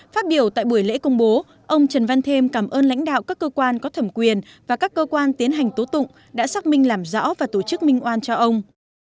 phát biểu tại buổi lễ công bố ông trần văn thêm cảm ơn lãnh đạo các cơ quan có thẩm quyền và các cơ quan tiến hành tố tụng đã xác minh làm rõ và tổ chức minh oan cho ông